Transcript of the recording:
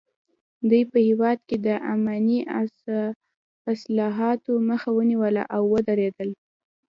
دوی په هېواد کې د اماني اصلاحاتو مخه ونیوله او ودریدل.